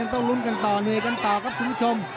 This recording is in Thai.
ต้องลุ้นกันต่อเหนื่อยกันต่อครับคุณผู้ชม